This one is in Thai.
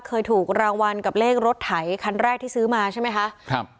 เคยถูกรางวัลกับเลขรถไถคันแรกที่ซื้อมาใช่ไหมคะครับ